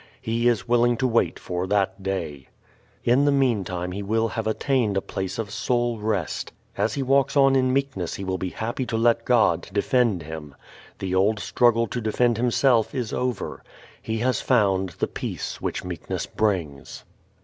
He is willing to wait for that day. In the meantime he will have attained a place of soul rest. As he walks on in meekness he will be happy to let God defend him. The old struggle to defend himself is over. He has found the peace which meekness brings.